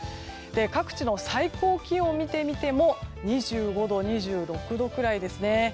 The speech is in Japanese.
各地の最高気温を見てみても２５度、２６度くらいですね。